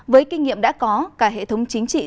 với kinh nghiệm đã có cả hệ thống chính trị